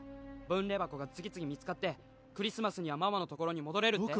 分霊箱が次々見つかってクリスマスにはママのところに戻れるって？